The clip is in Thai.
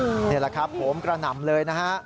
นี่แหละครับโหมกระหน่ำเลยนะฮะ